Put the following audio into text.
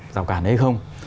giảo cản hay không